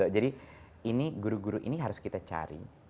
jadi guru guru ini harus kita cari